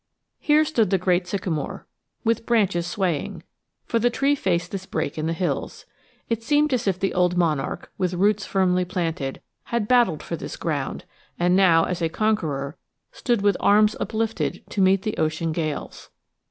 Here stood the great sycamore, with branches swaying; for the tree faced this break in the hills. It seemed as if the old monarch, with roots firmly planted, had battled for its ground; and now, as a conqueror, stood with arms uplifted to meet the ocean gales.